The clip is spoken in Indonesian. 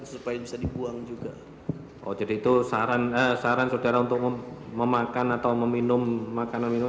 supaya bisa dibuang juga oh jadi itu saran saran saudara untuk memakan atau meminum makanan minum